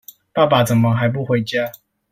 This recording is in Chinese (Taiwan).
爸爸怎麼還不回家